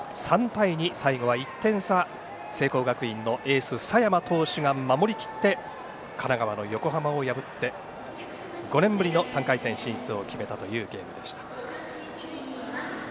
３対２、最後は１点差聖光学院のエース佐山投手が守りきって神奈川の横浜を破って５年ぶりの３回戦進出を決めたというゲームでした。